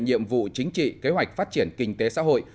nhiệm vụ chính trị kế hoạch phát triển kinh tế xã hội